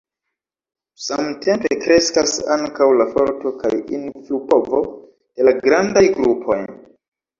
Samtempe kreskas ankaŭ la forto kaj influpovo de la grandaj grupoj.